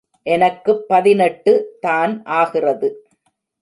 எனக்குப் பதினெட்டுதான் ஆகிறது.